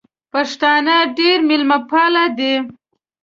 پښتانه ډېر مېلمه پال دي